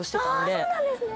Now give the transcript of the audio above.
そうなんですね！